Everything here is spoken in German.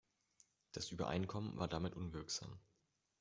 Das Übereinkommen war damit unwirksam.